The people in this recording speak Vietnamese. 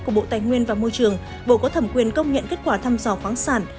của bộ tài nguyên và môi trường bộ có thẩm quyền công nhận kết quả thăm dò khoáng sản